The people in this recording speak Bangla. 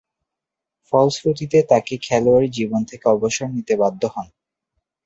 ফলশ্রুতিতে তাকে খেলোয়াড়ী জীবন থেকে অবসর নিতে বাধ্য হন।